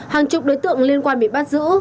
hàng chục đối tượng liên quan bị bắt giữ